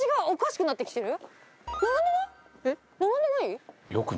えっ？